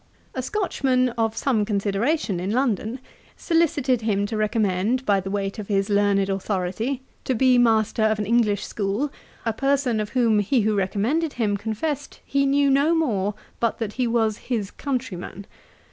A Scotchman, of some consideration in London, solicited him to recommend, by the weight of his learned authority, to be master of an English school, a person of whom he who recommended him confessed he knew no more but that he was his countryman.